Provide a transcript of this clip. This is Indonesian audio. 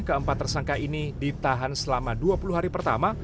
keempat tersangka ini ditahan selama dua puluh hari pertama